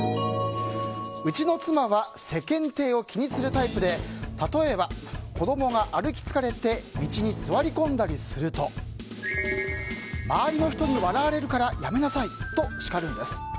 うちの妻は世間体を気にするタイプで例えば、子供が歩き疲れて道に座り込んだりすると周りの人に笑われるからやめなさいと叱るんです。